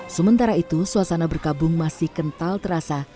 sementara itu suasana berkabung masih kental terasa